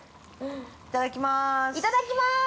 いただきます。